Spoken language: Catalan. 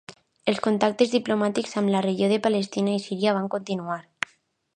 Els contactes diplomàtics amb la regió de Palestina i Síria van continuar.